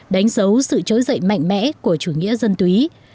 đánh dấu sự trỗi dậy mạnh mẽ của chủ nghĩa dân túy